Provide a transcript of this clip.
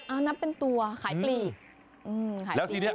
อ้าวนับด้วยเป็นตัวขายปรีก